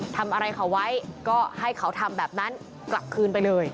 ทำอะไรเขาไว้ก็ให้เขาทำแบบนั้นกลับคืนไปเลย